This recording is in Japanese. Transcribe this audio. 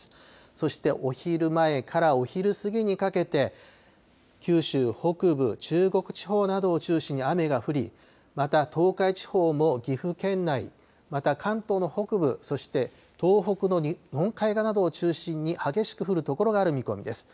そしてお昼前からお昼過ぎにかけて、九州北部、中国地方などを中心に雨が降り、また東海地方も岐阜県内、また関東の北部、そして東北の日本海側などを中心に激しく降る所がある見込みです。